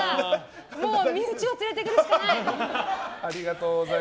身内を連れてくるしかない。